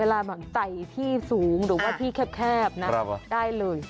เวลาแต่ที่สูงหรือว่าที่แคบได้เลย